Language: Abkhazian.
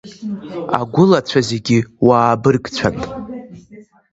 Агәылацәа зегьы уаа быргцәан.